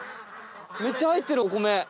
めっちゃ入ってるお米！